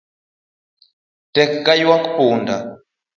Tek ka ywak punda